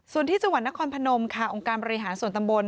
ส่วนที่จังหวัดนครพนมค่ะองค์การบริหารส่วนตำบล